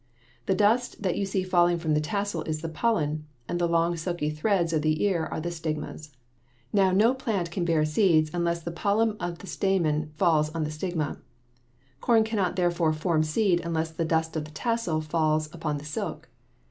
The dust that you see falling from the tassel is the pollen, and the long silky threads of the ear are the stigmas. [Illustration: FIG. 34. A TOMATO BLOSSOM] Now no plant can bear seeds unless the pollen of the stamen falls on the stigma. Corn cannot therefore form seed unless the dust of the tassel falls upon the silk.